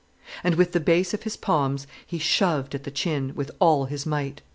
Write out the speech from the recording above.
And with the base of his palms he shoved at the chin, with all his might.